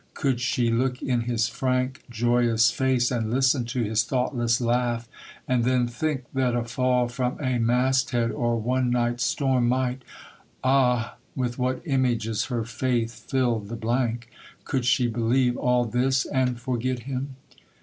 Could she look in his frank, joyous face, and listen to his thoughtless laugh, and then think that a fall from a mast head, or one night's storm, might——Ah, with what images her faith filled the blank! Could she believe all this and forget him?